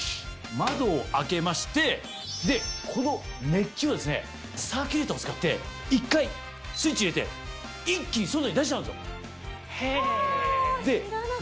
窓を開けましてこの熱気をサーキュレーターを使って１回スイッチ入れて一気に外に出しちゃうんですよ。は知らなかった。